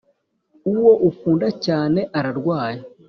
uwo ukunda cyane ararwaye